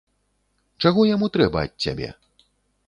Чаго яму трэба ад цябе?